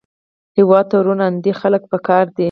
هېواد ته روڼ اندي خلک پکار دي